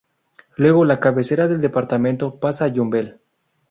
Luego, la cabecera del departamento pasa a Yumbel.